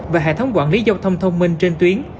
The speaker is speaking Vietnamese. và hệ thống quản lý giao thông thông minh trên tuyến